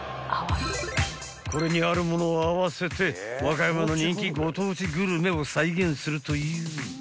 ［これにあるものを合わせて和歌山の人気ご当地グルメを再現するという］